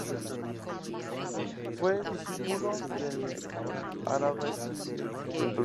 Fue discípulo del arabista Francisco Javier Simonet, cuya biografía escribió en sus últimos días.